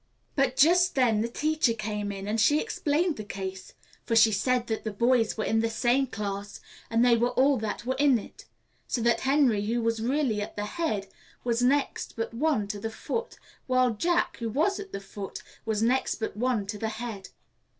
But just then the teacher came in, and she explained the case; for she said that the boys were in the same class, and they were all that were in it; so that Henry, who was really at the head, was next but one to the foot, while Jack, who was at the foot, was next but one to the head.